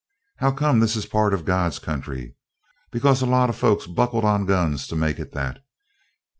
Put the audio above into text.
How come this is part of God's country? Because a lot of folks buckled on guns to make it that!